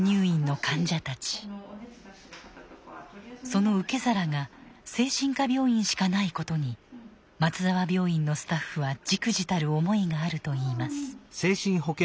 その受け皿が精神科病院しかないことに松沢病院のスタッフはじくじたる思いがあるといいます。